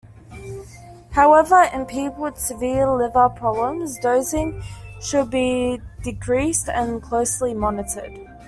However, in people with severe liver problems dosing should be decreased and closely monitored.